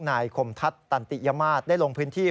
นายคมทัศน์ตันติยมาตรได้ลงพื้นที่